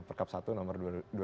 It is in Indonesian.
perkap satu nomor dua ribu sembilan